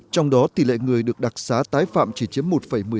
trong đó tỷ lệ người được đặc xá tái phạm chỉ chiếm một một mươi chín